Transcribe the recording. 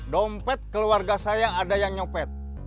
dompet keluarga saya ada yang nyopet